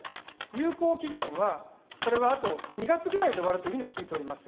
有効期限はこれ、あと２月ぐらいで終わるというふうにも聞いております。